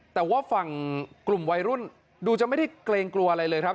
แต่ว่าฝั่งกลุ่มวัยรุ่นดูจะไม่ได้เกรงกลัวอะไรเลยครับ